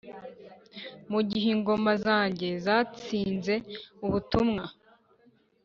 mugihe ingoma zanjye zatsinze ubutumwa